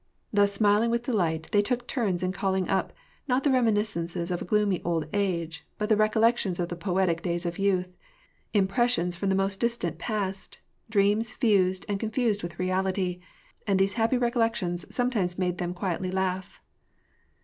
" Thus, smiling with delight, they took turns in calling up, not the reminiscences of a gloomy old age, but the recollections of the poetic days of youth ; impressions from the most distant past, dreams fused and confused with reality ; and these happy recollections sometimes made them quietly laugh.